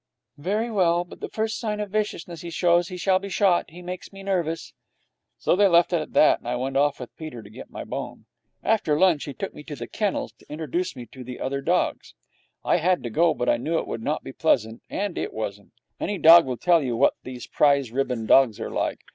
'Very well. But the first sign of viciousness he shows, he shall be shot. He makes me nervous.' So they left it at that, and I went off with Peter to get my bone. After lunch, he took me to the kennels to introduce me to the other dogs. I had to go, but I knew it would not be pleasant, and it wasn't. Any dog will tell you what these prize ribbon dogs are like.